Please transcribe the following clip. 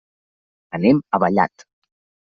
Anem a Vallat.